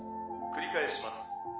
繰り返します。